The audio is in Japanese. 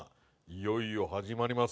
いよいよ始まります。